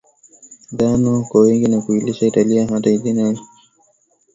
ngano kwa wingi na kuilisha Italia Hata jina la Afrika lina asili yake